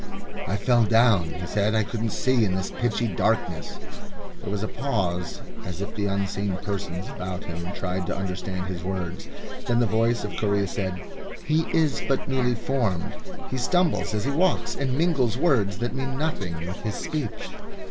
"I fell down," he said; "I couldn't see in this pitchy darkness." There was a pause as if the unseen persons about him tried to understand his words. Then the voice of Correa said: "He is but newly formed. He stumbles as he walks and mingles words that mean nothing with his speech."